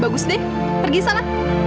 bagus deh pergi sana